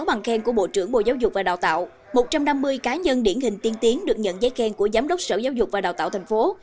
sáu mươi bằng khen của bộ trưởng bộ giáo dục và đào tạo một trăm năm mươi cá nhân điển hình tiên tiến được nhận giấy khen của giám đốc sở giáo dục và đào tạo thành phố